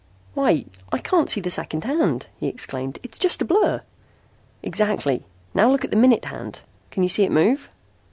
"Why, I can't see the second hand," he exclaimed. "It's just a blur!" "Exactly! Now look at the minute hand. Can you see it move?"